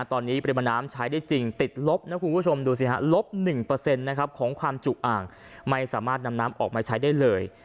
ตอนนี้ปริมาน้ำใช้ได้จริงติดลบนะคุณผู้ชมแล้วนะครับดูสิคะลบนึกเปอร์เซ็นต์เนี่ยครับของความจุอ่างไม่สามารถนำน้ำออกมาใช้ได้เลย